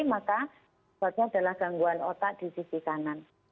maka sebabnya adalah gangguan otak di sisi kanan